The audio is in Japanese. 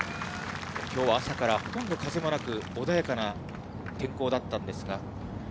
きょうは朝からほとんど風もなく、穏やかな天候だったんですが。